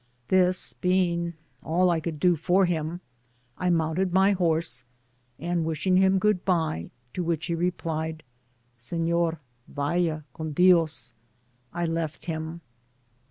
This being all I could do for him, I mounted my horse, and wishing him good bye, to which he replied, " Sefior, vaya con Dios,'' I left him.